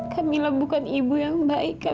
kak mila bukan ibu yang baik kak